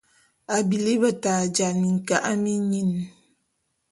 A bili beta jal minka’a minyin.